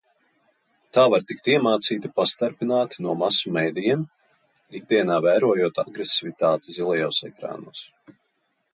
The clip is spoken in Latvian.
Tā var tikt iemācīta pastarpināti no masu medijiem, ikdienā vērojot agresivitāti zilajos ekrānos.